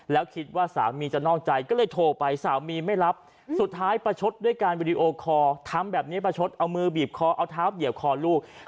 แล้วคิดว่าสามีจะนอกใจก็เลยโทรไปสามีไม่รับสุดท้ายประชดด้วยการวิดีโอคอร์ทำแบบนี้ประชดเอามือบีบคอเอาเท้าเหยียบคอลูก